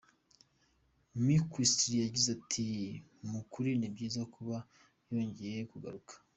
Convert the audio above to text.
Mckinstry yagize ati “Mu kuri ni byiza kuba yongeye kugaruka.